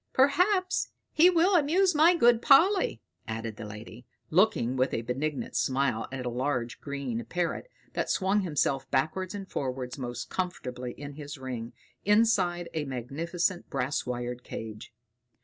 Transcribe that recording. "Perhaps he will amuse my good Polly," added the lady, looking with a benignant smile at a large green parrot that swung himself backwards and forwards most comfortably in his ring, inside a magnificent brass wired cage.